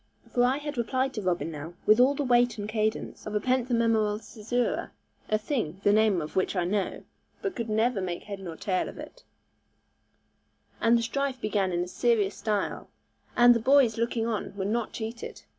For I had replied to Robin now, with all the weight and cadence of penthemimeral caesura (a thing, the name of which I know, but could never make head nor tail of it), and the strife began in a serious style, and the boys looking on were not cheated.